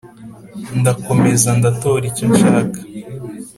ndakomeza ndatota icyo nshaka